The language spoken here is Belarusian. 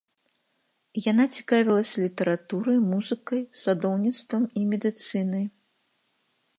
Яна цікавілася літаратурай, музыкай, садоўніцтвам і медыцынай.